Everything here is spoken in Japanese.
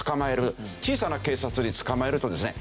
小さな警察で捕まえるとですね